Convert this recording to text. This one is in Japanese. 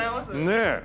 ねえ。